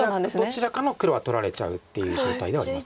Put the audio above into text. どちらかの黒は取られちゃうっていう状態ではあります。